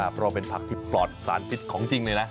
เพราะว่าเป็นผักที่ปลอดสารพิษของจริงเลยนะ